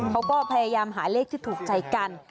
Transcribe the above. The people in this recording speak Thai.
เขาก็พยายามหาเลขที่ถูกใจกัน